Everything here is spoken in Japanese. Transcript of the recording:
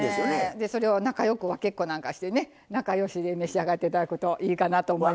でそれを仲よく分けっこなんかしてね仲よしで召し上がって頂くといいかなと思います。